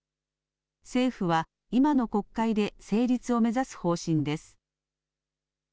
政府は、今の国会で成立を目指す方針です。